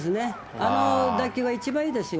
あの打球が一番いいですよ。